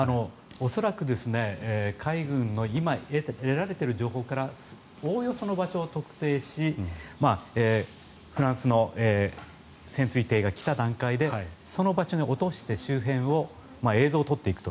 恐らく海軍の今、得られている情報からおおよその場所を特定しフランスの潜水艇が来た段階でその場所に落として周辺の映像を撮っていくと。